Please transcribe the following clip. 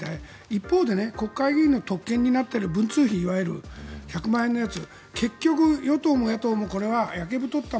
一方で国会議員の特権になっている文通費いわゆる１００万円のやつ。